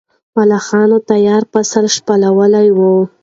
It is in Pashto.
ملخانو تیار فصل شپېلولی و.